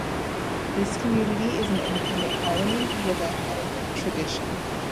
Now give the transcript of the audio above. This community is an independent colony, with a Hutterite tradition.